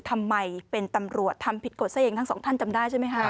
ทำไมเป็นตำรวจทำผิดกฎซะเองทั้งสองท่านจำได้ใช่ไหมคะ